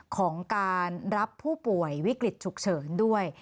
ของการรับผู้ป่วยวิกฤตฉุกเฉินด้วย